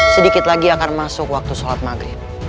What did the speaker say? sedikit lagi akan masuk waktu sholat maghrib